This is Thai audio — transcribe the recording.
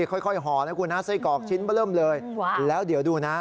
ค่อยห่อนะคุณนะไส้กรอกชิ้นมาเริ่มเลยแล้วเดี๋ยวดูนะ